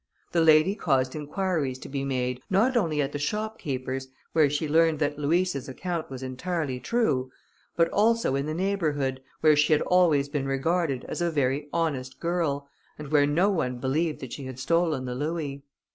The lady caused inquiries to be made, not only at the shopkeeper's, where she learned that Louisa's account was entirely true, but also in the neighbourhood, where she had always been regarded as a very honest girl, and where no one believed that she had stolen the louis.